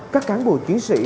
các cán bộ chiến sĩ